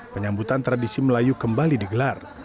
penyambutan tradisi melayu kembali digelar